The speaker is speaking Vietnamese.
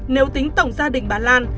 nếu tính tổng gia đình bà lan